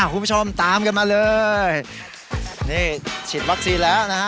คุณผู้ชมตามกันมาเลยนี่ฉีดวัคซีนแล้วนะฮะ